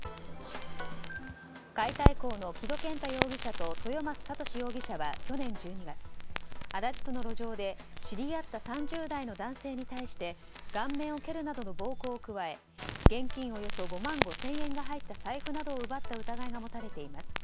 解体工の木戸健太容疑者と豊増慧史容疑者は去年１２月、足立区の路上で知り合った３０代の男性に対して顔面を蹴るなどの暴行を加え現金およそ５万５０００円が入った財布などを奪った疑いが持たれています。